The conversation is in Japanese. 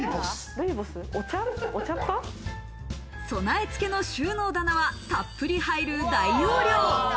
備え付けの収納棚は、たっぷり入る大容量。